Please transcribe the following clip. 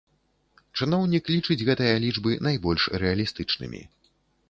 Чыноўнік лічыць гэтыя лічбы найбольш рэалістычнымі.